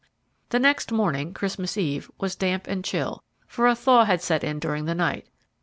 The next morning, Christmas Eve, was damp and chill, for a thaw had set in during the night.